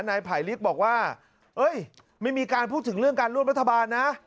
นายไผลลิกบอกว่าไม่มีการพูดถึงเรื่องการร่วมรัฐบาลนะ